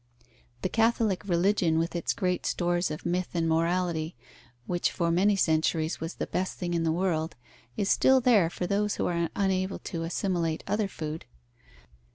The Catholic religion, with its great stores of myth and morality, which for many centuries was the best thing in the world, is still there for those who are unable to assimilate other food.